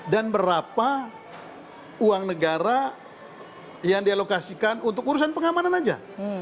dan berapa uang negara yang dialokasikan untuk urusan pengamanan saja